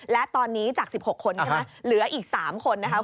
และตอนนี้จาก๑๖คนใช่ไหมเหลืออีก๓คนนะครับ